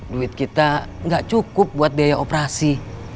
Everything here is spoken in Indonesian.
duit kita nggak cukup buat biaya operasi